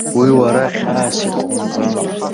Уи уара хьаас иҟоумҵан.